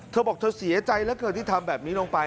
เธอบอกเธอเสียใจเหลือเกินที่ทำแบบนี้ลงไป